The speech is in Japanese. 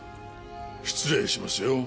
失礼しますよ。